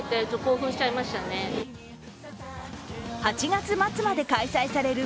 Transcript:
８月末まで開催される